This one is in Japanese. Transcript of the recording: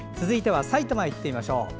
続いてはさいたまいってみましょう。